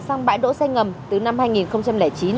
sang bãi đỗ xe ngầm từ năm hai nghìn chín